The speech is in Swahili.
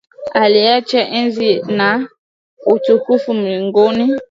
Aliacha enzi , na utukufu mbinguni.